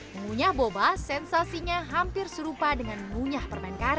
munyah boba sensasinya hampir serupa dengan munyah permen karet